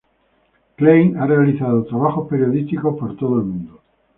Klein ha realizado trabajos periodísticos en todo el mundo.